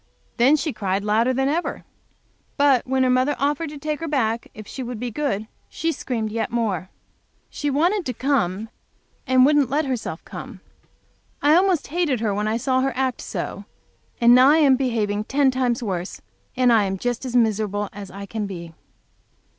Then she cried louder than ever. But when her mother offered to take her back if she would be good, she screamed yet more. She wanted to come and wouldn't let herself come. I almost hated her when I saw her act so, and now I am behaving ten times worse and I am just as miserable as I can be.